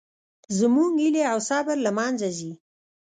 زموږ هیلې او صبر له منځه ځي